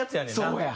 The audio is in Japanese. そうや。